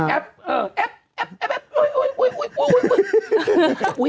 แอ๊บโอ๊ย